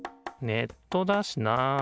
ネットだしな。